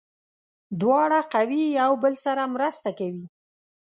دواړه قوې یو بل سره مرسته کوي.